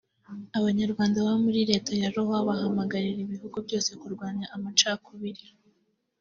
Abanyarwanda baba muri Leta ya Iowa bahamagarira ibihugu byose kurwanya amacakubiri